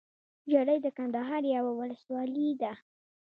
ژړۍ دکندهار يٶه ولسوالې ده